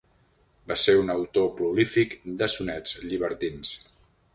Va ser un autor prolífic de sonets llibertins.